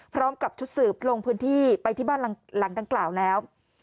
พร้อมกับชุดสืบลงพื้นที่ไปที่บ้านหลังดังกล่าวแล้ว